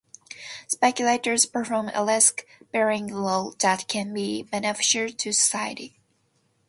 Speculators perform a risk bearing role that can be beneficial to society.